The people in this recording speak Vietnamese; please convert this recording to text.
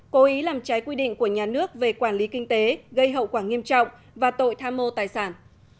cố ý làm trái quy định của nhà nước về quản lý kinh tế gây hậu quả nghiêm trọng và tội tham mô tài sản